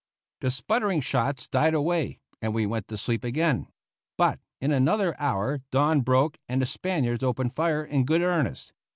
The sputtering shots died away and we went to sleep again. But in another hour dawn broke and the Spaniards opened fire in good earnest.